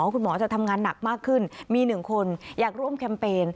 คุณหมอจะทำงานหนักมากขึ้นมี๑คนอยากร่วมแคมเปญ